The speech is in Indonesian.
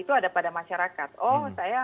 itu ada pada masyarakat oh saya